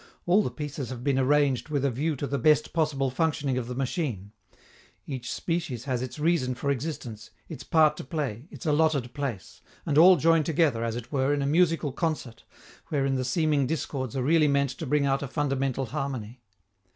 All the pieces have been arranged with a view to the best possible functioning of the machine. Each species has its reason for existence, its part to play, its allotted place; and all join together, as it were, in a musical concert, wherein the seeming discords are really meant to bring out a fundamental harmony.